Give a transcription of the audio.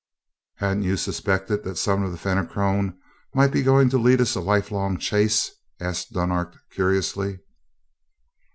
"Hadn't you suspected that some of the Fenachrone might be going to lead us a life long chase?" asked Dunark curiously.